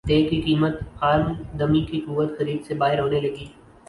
ٹےکی قیمت عام دمی کی قوت خرید سے باہر ہونے لگی